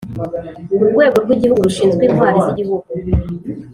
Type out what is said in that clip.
Urwego rw Igihugu rushinzwe Intwari z Igihugu